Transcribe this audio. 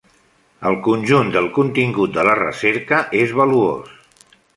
El conjunt del contingut de la recerca és valuós.